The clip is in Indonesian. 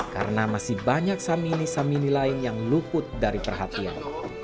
karena masih banyak samini samini lain yang luput dari perhatian